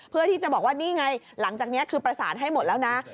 เพื่อที่จะบอกว่านี่ไงหลังจากนี้คือประสานให้หมดแล้วนะ